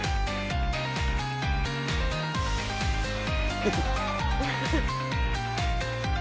フフフ。